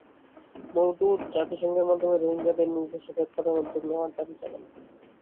মওদুদ জাতিসংঘের মাধ্যমে রোহিঙ্গাদের নিজ দেশে ফেরত পাঠানোর উদ্যোগ নেওয়ার দাবি জানান।